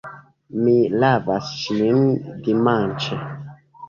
Mi lavas ŝin dimanĉe.